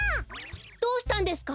どうしたんですか？